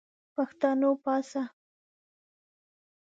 پښتونه پاڅه !